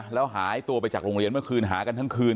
แล้วหายตัวไปจากโรงเรียนเมื่อคืนหากันทั้งคืน